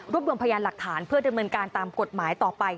รวมรวมพยานหลักฐานเพื่อดำเนินการตามกฎหมายต่อไป